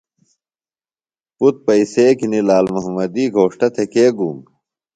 پُتر پیئسے گِھینیۡ لال محمدی گھوݜٹہ تھےۡ کے گُوم؟